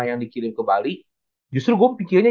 yang dikirim ke bali justru gue pikirnya